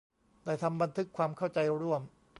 ได้ทำบันทึกความเข้าใจร่วม